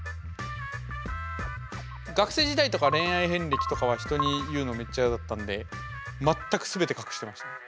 学生時代とか恋愛遍歴とかは人に言うのめっちゃ嫌だったんで全く全て隠してましたね。